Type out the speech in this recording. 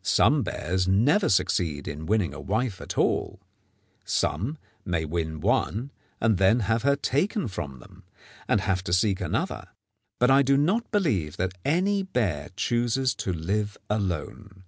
Some bears never succeed in winning a wife at all. Some may win one and then have her taken from them, and have to seek another; but I do not believe that any bear chooses to live alone.